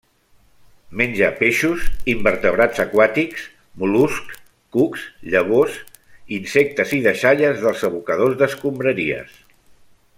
Menja peixos, invertebrats aquàtics, mol·luscs, cucs, llavors, insectes i deixalles dels abocadors d'escombraries.